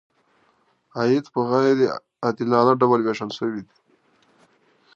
که عاید په غیر عادلانه ډول ویشل شوی وي.